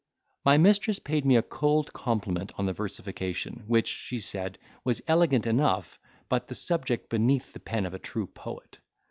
My mistress paid me a cold compliment on the versification, which, she said, was elegant enough, but, the subject beneath the pen of a true poet.